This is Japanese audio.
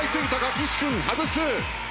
岸君外す。